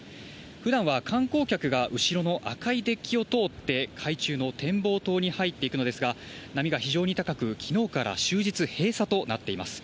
普段は観光客が後ろの赤いデッキを通って海中の展望塔に入っていくのですが、波が非常に高く、きのうから終日閉鎖となっています。